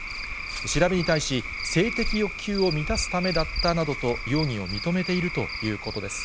調べに対し、性的欲求を満たすためだったなどと、容疑を認めているということです。